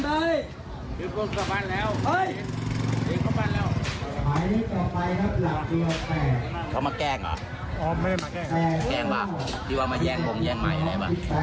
ต้องใช้มันปรับทั้งอย่างนี้